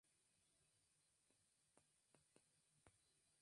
حال يقل لمثلها